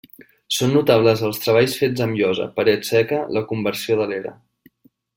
Són notables els treballs fets amb llosa, paret seca, la conversió de l'era.